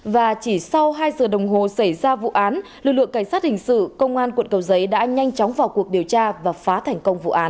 và chỉ sau hai giờ đồng hồ xảy ra vụ án lực lượng cảnh sát hình sự công an quận cầu giấy đã nhanh chóng vào cuộc điều tra và phá thành công vụ án